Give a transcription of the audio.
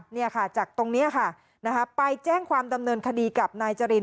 เนี่ยค่ะจากตรงนี้ค่ะนะคะไปแจ้งความดำเนินคดีกับนายจริน